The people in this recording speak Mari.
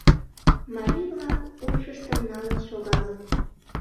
Марий-влак упшыштым налын шогалыт.